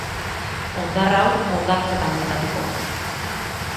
Hondar hau hondartzetan metatuko da.